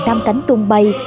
nam cánh tung bay